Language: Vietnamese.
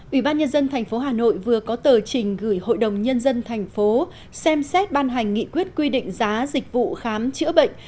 ủy ban nhân dân tp hà nội vừa có tờ trình gửi hội đồng nhân dân thành phố xem xét ban hành nghị quyết quy định giá dịch vụ khám chữa bệnh